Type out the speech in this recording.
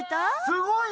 すごい！